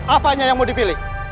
apanya yang mau dipilih